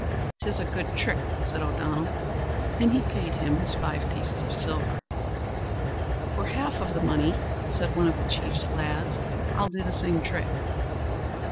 "'Tis a good trick," said O'Donnell; and he paid him his five pieces of silver. "For half the money," said one of the chief's lads, "I'll do the same trick."